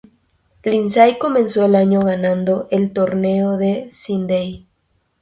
Lindsay comenzó el año ganando el Torneo de Sídney.